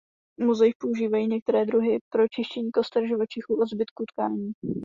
V muzeích používají některé druhy pro čištění koster živočichů od zbytků tkání.